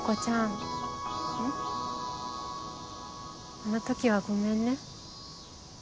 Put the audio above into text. あの時はごめんね。